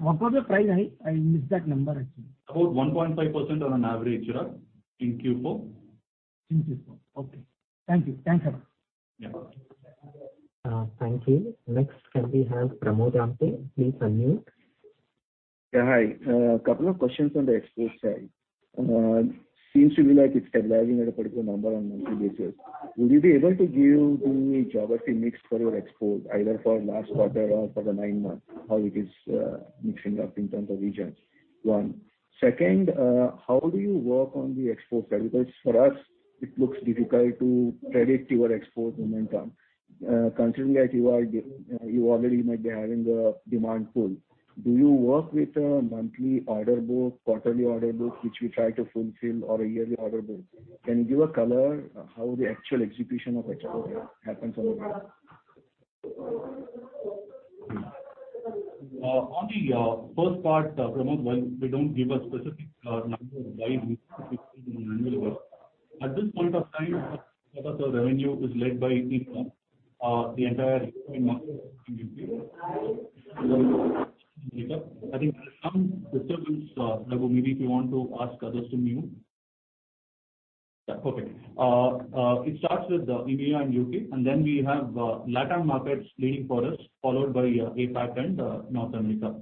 S9: What was the price hike? I missed that number, actually.
S4: About 1.5% on an average, Chirag, in Q4.
S9: In Q4. Okay. Thank you. Thanks a lot.
S4: Yeah.
S1: Thank you. Next, can we have Pramod Apte? Please unmute.
S10: Yeah, hi. A couple of questions on the export side. Seems like it's stabilizing at a particular number on a monthly basis. Will you be able to give me geographic mix for your export, either for last quarter or for the nine months, how it is mixing up in terms of regions? One. Second, how do you work on the export side? Because for us, it looks difficult to predict your export momentum, considering that you already might be having a demand pool. Do you work with a monthly order book, quarterly order book, which you try to fulfill or a yearly order book? Can you give a color how the actual execution of export happens on the ground?
S4: On the first part, Pramod, while we don't give a specific number wise annual basis. At this point of time, about a third revenue is led by e-com. The entire I think some disturbance, maybe if you want to ask those to mute. Yeah. Okay. It starts with EMEA and UK, and then we have LatAm markets leading for us, followed by APAC and North America.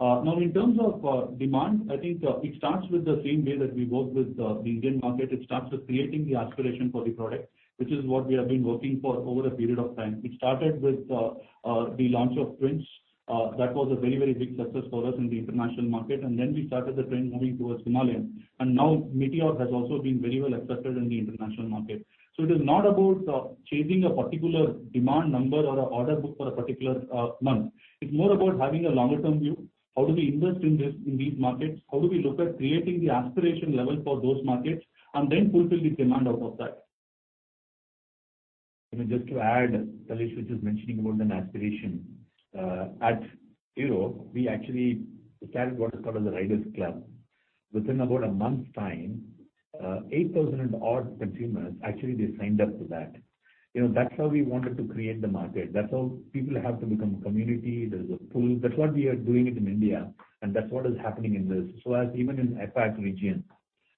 S4: Now in terms of demand, I think it starts with the same way that we work with the Indian market. It starts with creating the aspiration for the product, which is what we have been working for over a period of time. It started with the launch of Twins. That was a very big success for us in the international market. We started the trend moving towards Himalayan. Now Meteor has also been very well accepted in the international market. It is not about chasing a particular demand number or an order book for a particular month. It's more about having a longer term view. How do we invest in this, in these markets? How do we look at creating the aspiration level for those markets and then fulfill the demand out of that?
S3: I mean, just to add, Kaleeswaran was just mentioning about an aspiration. At zero, we actually started what is called as a riders club. Within about a month's time, 8,000-odd consumers actually they signed up to that. You know, that's how we wanted to create the market. That's how people have to become a community. There's a pull. That's what we are doing it in India, and that's what is happening in this. Even in the APAC region,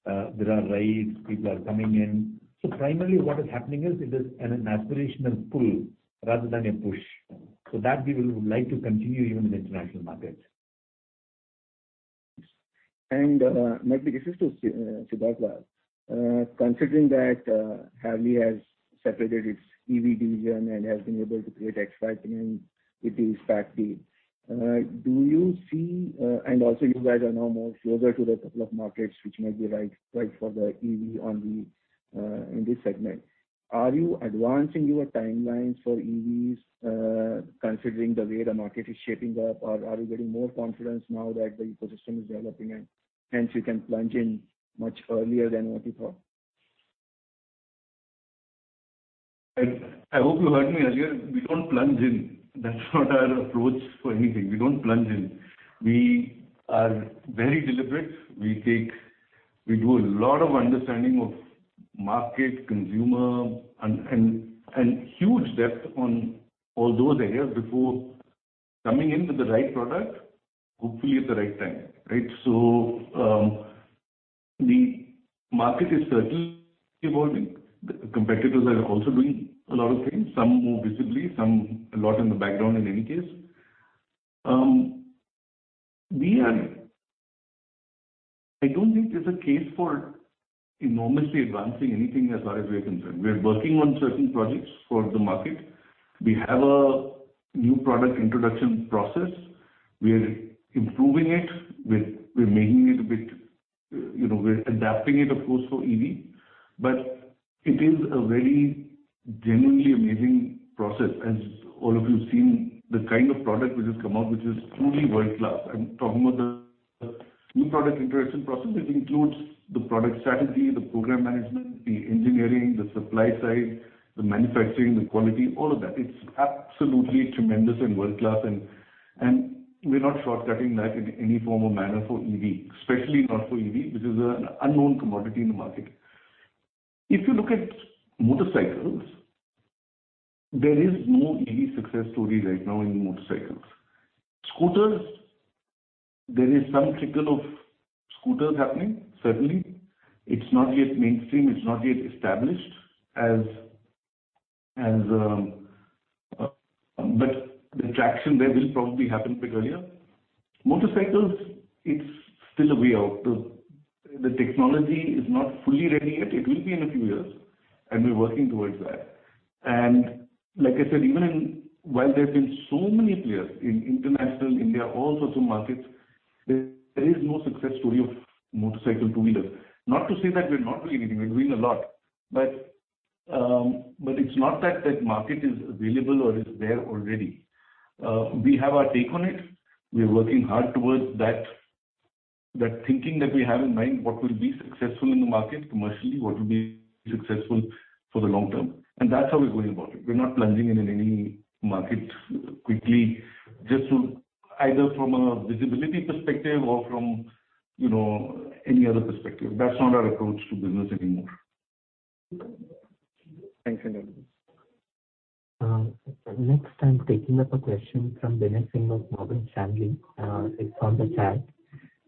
S3: there are rides, people are coming in. Primarily what is happening is, it is an aspirational pull rather than a push. So that we would like to continue even in the international markets.
S10: Might be this is to Siddhartha. Considering that Harley has separated its EV division and has been able to create excitement with the. Do you see, and also you guys are now more closer to the couple of markets which might be right for the EV only, in this segment. Are you advancing your timelines for EVs, considering the way the market is shaping up? Or are you getting more confidence now that the ecosystem is developing and hence you can plunge in much earlier than what you thought?
S2: I hope you heard me earlier. We don't plunge in. That's not our approach for anything. We don't plunge in. We are very deliberate. We do a lot of understanding of market, consumer, and huge depth on all those areas before coming in with the right product, hopefully at the right time, right? The market is certainly evolving. The competitors are also doing a lot of things, some more visibly, some a lot in the background in any case. We are. I don't think there's a case for enormously advancing anything as far as we are concerned. We are working on certain projects for the market. We have a new product introduction process. We are improving it. We're making it a bit, you know, adapting it, of course, for EV, but it is a very genuinely amazing process, as all of you have seen the kind of product which has come out, which is truly world-class. I'm talking about the new product introduction process, which includes the product strategy, the program management, the engineering, the supply side, the manufacturing, the quality, all of that. It's absolutely tremendous and world-class, and we're not shortcutting that in any form or manner for EV, especially not for EV, which is an unknown commodity in the market. If you look at motorcycles, there is no EV success story right now in motorcycles. Scooters, there is some trickle of scooters happening, certainly. It's not yet mainstream. It's not yet established, but the traction there will probably happen a bit earlier. Motorcycles, it's still a way out. The technology is not fully ready yet. It will be in a few years, and we're working towards that. Like I said, even while there have been so many players in international, India, all sorts of markets, there is no success story of motorcycle, two wheelers. Not to say that we're not doing anything. We're doing a lot. It's not that that market is available or is there already. We have our take on it. We are working hard towards that thinking that we have in mind, what will be successful in the market commercially, what will be successful for the long term. That's how we're going about it. We're not plunging in any market quickly just to either from a visibility perspective or from, you know, any other perspective. That's not our approach to business anymore.
S10: Thanks a lot.
S1: Next I'm taking up a question from Binay Singh of Morgan Stanley. It's on the chat.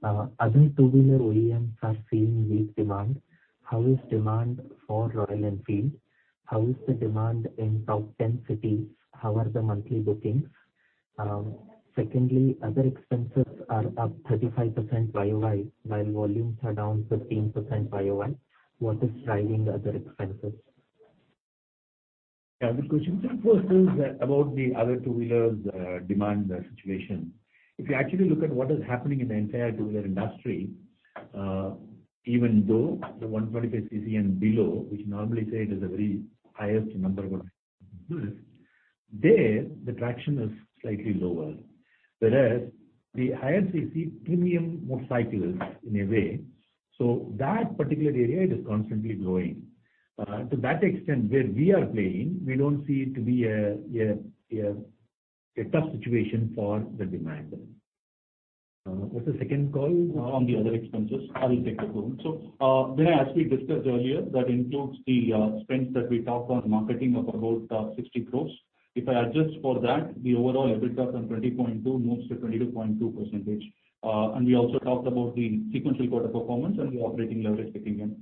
S1: Other two-wheeler OEMs are seeing weak demand. How is demand for Royal Enfield? How is the demand in top ten cities? How are the monthly bookings? Secondly, other expenses are up 35% YOY, while volumes are down 15% YOY. What is driving other expenses?
S3: Yeah. The question first is about the other two-wheelers, demand situation. If you actually look at what is happening in the entire two-wheeler industry, even though the 125 cc and below, which normally say it is a very highest number of there the traction is slightly lower. Whereas the higher cc premium motorcycles in a way, so that particular area it is constantly growing. To that extent, where we are playing, we don't see it to be a tough situation for the demand. What's the second call?
S4: On the other expenses. I will take that one. Binay, as we discussed earlier, that includes the spends that we talked about marketing of about 60 crores. If I adjust for that, the overall EBITDA from 20.2% moves to 22.2%. We also talked about the sequential quarter performance and the operating leverage kicking in.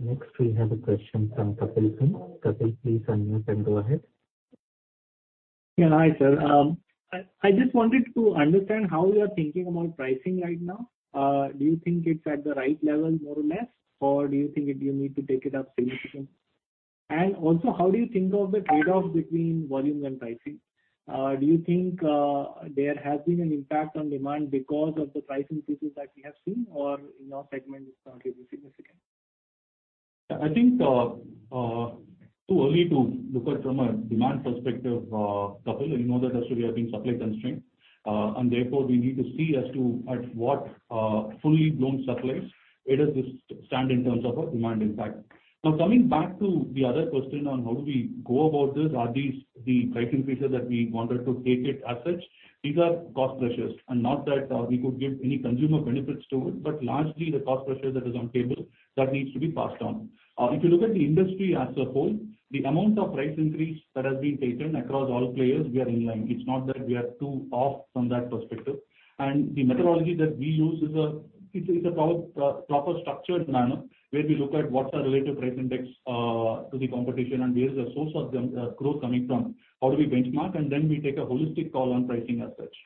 S1: Next we have a question from Kapil Singh. Kapil, please unmute and go ahead.
S11: Yeah. Hi, sir. I just wanted to understand how you are thinking about pricing right now. Do you think it's at the right level more or less, or do you think you need to take it up significantly? How do you think of the trade-off between volume and pricing? Do you think there has been an impact on demand because of the pricing increases that we have seen, or in your segment it's not really significant?
S4: I think it's too early to look at from a demand perspective, Kapil. You know that as of today being supply constrained, and therefore, we need to see as to at what full-blown supplies where does this stand in terms of a demand impact. Now, coming back to the other question on how do we go about this, are these the pricing features that we wanted to take it as such? These are cost pressures and not that we could give any consumer benefits to it, but largely the cost pressure that is on the table that needs to be passed on. If you look at the industry as a whole, the amount of price increase that has been taken across all players, we are in line. It's not that we are too far off from that perspective. The methodology that we use is a proper structured manner, where we look at what are the relative price index to the competition and where is the source of the growth coming from. How do we benchmark? Then we take a holistic call on pricing as such.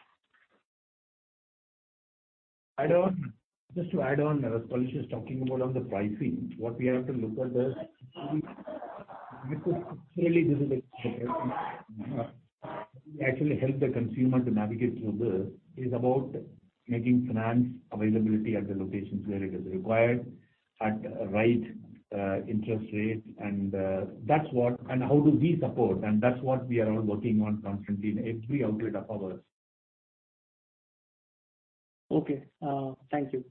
S3: Just to add on, as Kalees is talking about the pricing, what we have to look at is actually help the consumer to navigate through this is about making finance availability at the locations where it is required, at the right interest rate and that's what and how do we support, that's what we are all working on constantly in every outlet of ours.
S11: Okay. Thank you.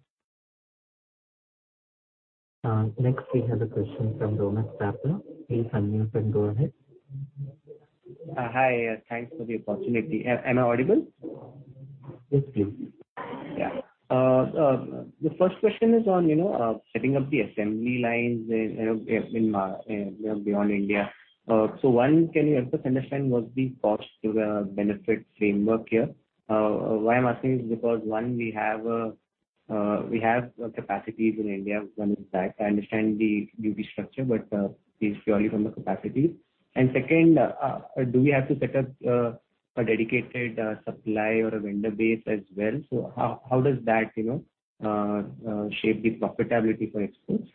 S1: Next we have a question from Ronak Sarda. Please unmute and go ahead.
S12: Hi. Thanks for the opportunity. Am I audible?
S1: Yes, please.
S12: The first question is on, you know, setting up the assembly lines in, you know, beyond India. One, can you help us understand what the cost-benefit framework here? Why I'm asking is because, one, we have capacities in India. In fact I understand the duty structure, but it's purely from the capacity. Second, do we have to set up a dedicated supply or a vendor base as well? How does that, you know, shape the profitability for exports?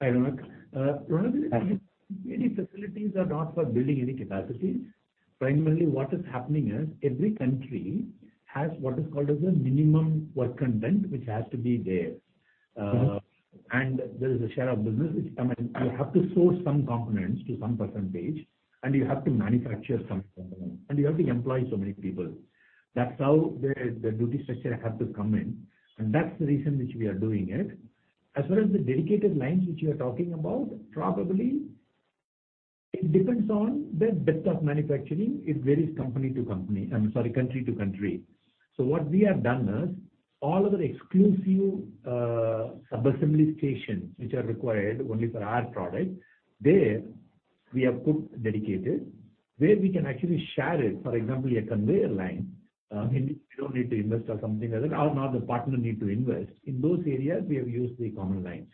S3: Hi, Ronak. These facilities are not for building any capacity. Primarily what is happening is every country has what is called as a minimum work content, which has to be there.
S12: Mm-hmm.
S3: There is a share of business which come in. You have to source some components to some percentage, and you have to manufacture some components, and you have to employ so many people. That's how the duty structure has to come in. That's the reason which we are doing it. As well as the dedicated lines which you are talking about, probably it depends on the depth of manufacturing. It varies company to company, I'm sorry, country to country. What we have done is all of our exclusive sub-assembly stations which are required only for our product, there we have put dedicated. Where we can actually share it, for example, a conveyor line, we don't need to invest or something like that or now the partner need to invest. In those areas, we have used the common lines.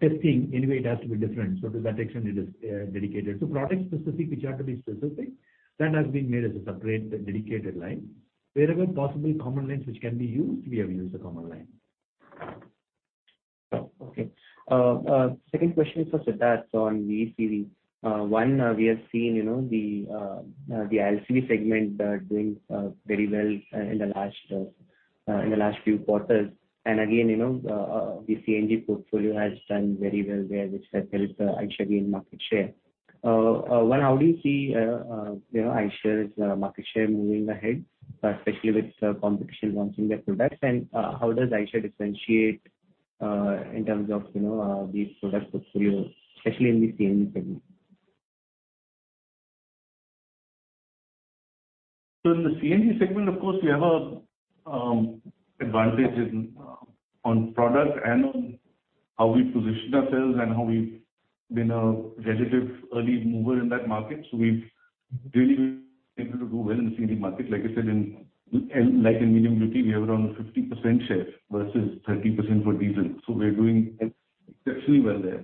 S3: Testing anyway, it has to be different. To that extent it is dedicated. Product specific, which have to be specific, that has been made as a separate dedicated line. Wherever possible common lines which can be used, we have used the common line.
S12: Okay. Second question is for Siddhartha on VECV. One, we have seen, you know, the LCV segment doing very well in the last few quarters. Again, you know, the CNG portfolio has done very well there, which has helped Eicher gain market share. One, how do you see, you know, Eicher's market share moving ahead, especially with competition launching their products? How does Eicher differentiate in terms of, you know, the product portfolio, especially in the CNG segment?
S2: In the CNG segment, of course, we have an advantage in on product and on how we position ourselves and how we've been a relative early mover in that market. We've really been able to do well in the CNG market. Like I said, in light and medium duty, we have around a 50% share versus 30% for diesel, so we're doing exceptionally well there.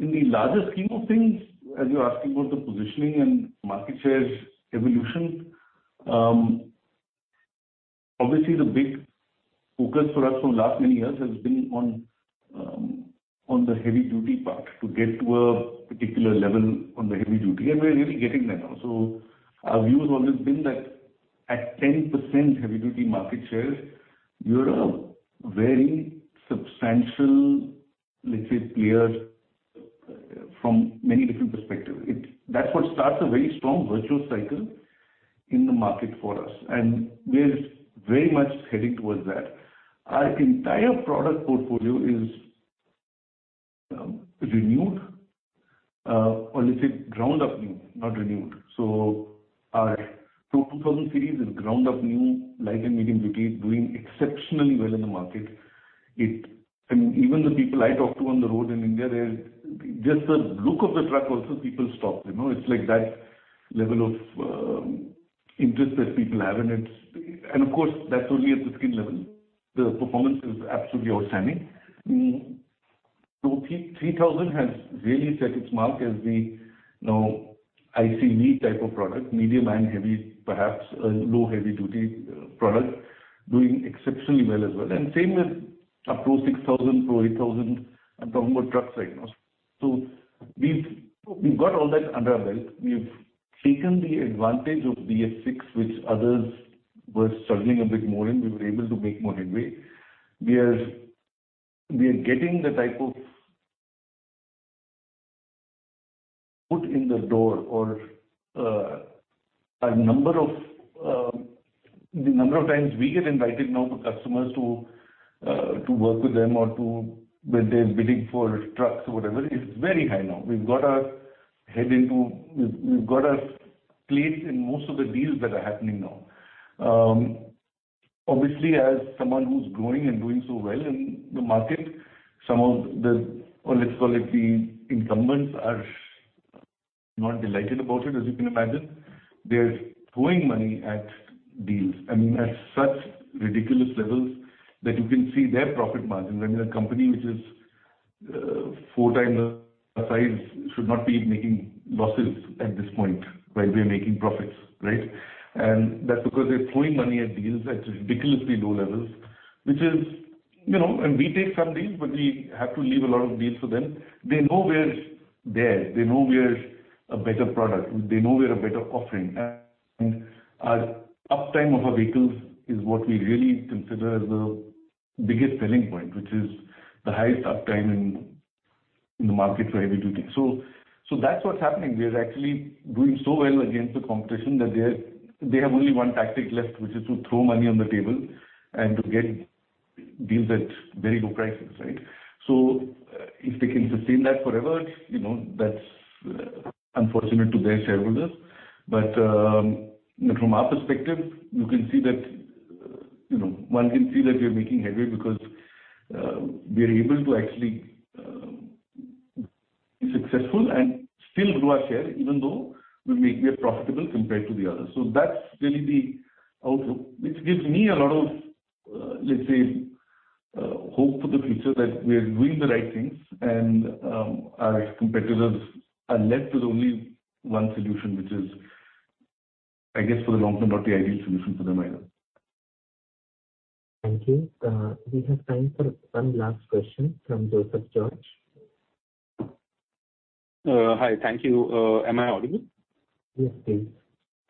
S2: In the larger scheme of things, as you're asking about the positioning and market share evolution, obviously the big focus for us from last many years has been on the heavy duty part, to get to a particular level on the heavy duty. We're really getting there now. Our view has always been that at 10% heavy duty market share, you're a very substantial, let's say, player from many different perspectives. That's what starts a very strong virtuous cycle in the market for us, and we're very much heading towards that. Our entire product portfolio is renewed, or let's say ground up new, not renewed. Our 2000 series is ground up new light and medium duty doing exceptionally well in the market. Even the people I talk to on the road in India. Just the look of the truck. Also, people stop, you know. It's like that level of interest that people have, and it's, of course, only at the skin level. The performance is absolutely outstanding. 3000 has really set its mark as the, you know, ICV/MCV type of product, medium and heavy, perhaps a low heavy-duty product doing exceptionally well as well. Same with up to 6,000-8,000, I'm talking about trucks right now. We've got all that under our belt. We've taken the advantage of BS6, which others were struggling a bit more in. We are getting the type of foot in the door or the number of times we get invited now for customers to work with them or to when they're bidding for trucks or whatever, is very high now. We've got our place in most of the deals that are happening now. Obviously as someone who's growing and doing so well in the market, some of the, or let's call it, the incumbents are not delighted about it, as you can imagine. They're throwing money at deals. I mean, at such ridiculous levels that you can see their profit margin. When a company which is four times our size should not be making losses at this point while we are making profits, right? That's because they're throwing money at deals at ridiculously low levels, which is, you know, and we take some deals, but we have to leave a lot of deals for them. They know we're there. They know we're a better product. They know we're a better offering. Our uptime of our vehicles is what we really consider as the biggest selling point, which is the highest uptime in the market for heavy duty. So that's what's happening. We are actually doing so well against the competition that they have only one tactic left, which is to throw money on the table and to get deals at very low prices, right? If they can sustain that forever, you know, that's unfortunate to their shareholders. From our perspective, you can see that, you know, one can see that we are making headway because we are able to actually be successful and still grow our share, even though we are profitable compared to the others. That's really the outlook, which gives me a lot of, let's say, hope for the future that we are doing the right things and our competitors are left with only one solution, which is, I guess, for the long term, not the ideal solution for them either.
S1: Thank you. We have time for one last question from Joseph George.
S13: Hi. Thank you. Am I audible?
S1: Yes, please.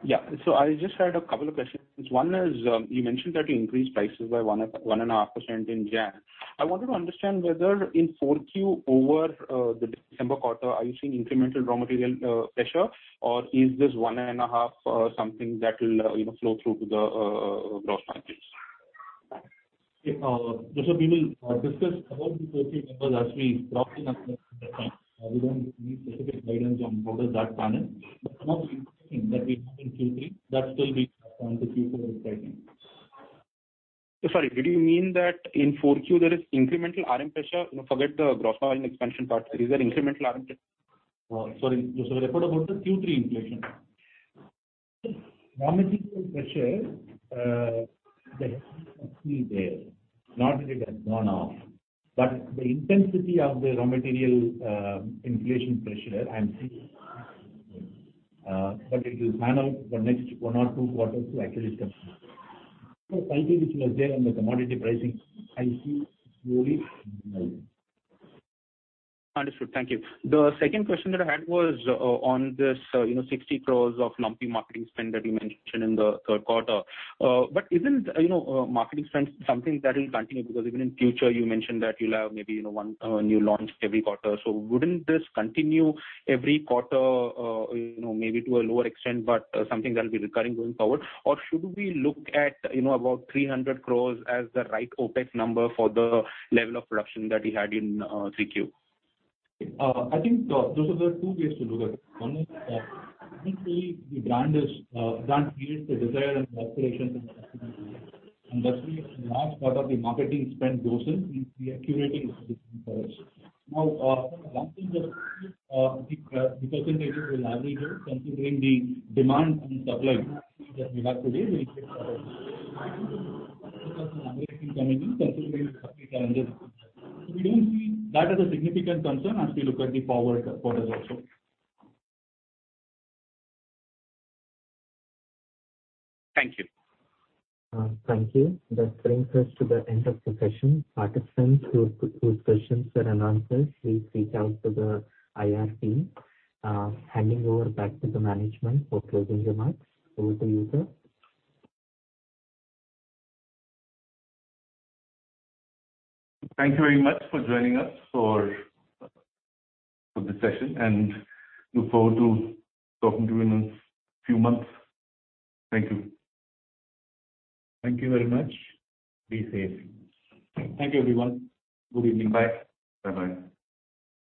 S13: Yeah. I just had a couple of questions. One is, you mentioned that you increased prices by 1 and 1.5% in January. I wanted to understand whether in Q4 over the December quarter, are you seeing incremental raw material pressure or is this 1.5 something that will flow through to the gross margins?
S4: Joseph, we will discuss about the 4Q numbers as we drop in at that time. We don't give any specific guidance on quarters at panel, but some of the inflation that we had in Q3, that still we expect to continue for the time being.
S13: Sorry, did you mean that in 4Q there is incremental RM pressure? No, forget the gross margin expansion part. Is there incremental RM pressure?
S4: Oh, sorry, Joseph. I thought about the Q3 inflation. Raw material pressure, that is actually there. Not that it has gone off, but the intensity of the raw material inflation pressure I'm seeing, but it will pan out for next one or two quarters to actually discuss it. Pricing which was there on the commodity pricing, I see slowly normalized.
S13: Understood. Thank you. The second question that I had was, on this, you know, 60 crores of lumpy marketing spend that you mentioned in the third quarter. Isn't, you know, marketing spend something that will continue? Because even in future you mentioned that you'll have maybe, you know, one new launch every quarter. Wouldn't this continue every quarter, you know, maybe to a lower extent, but something that will be recurring going forward? Or should we look at, you know, about 300 crores as the right OpEx number for the level of production that we had in 3Q?
S4: I think, Joseph, there are two ways to look at it. One is that, technically the brand creates the desire and aspirations in the customer's mind. That's where a large part of the marketing spend goes in curating this for us. Now, one thing that the percentage will average out considering the demand and supply that we have today, we expect to come in considering the supply challenges. We don't see that as a significant concern as we look at the forward quarters also.
S13: Thank you.
S1: Thank you. That brings us to the end of the session. Participants whose questions were unanswered, please reach out to the IR team. Handing over back to the management for closing remarks. Over to you, sir.
S2: Thank you very much for joining us for this session. Look forward to talking to you in a few months. Thank you.
S3: Thank you very much. Be safe.
S4: Thank you, everyone. Good evening.
S3: Bye.
S2: Bye-bye.